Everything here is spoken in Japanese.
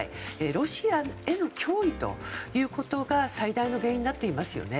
ロシアへの脅威ということが最大の原因になっていますね。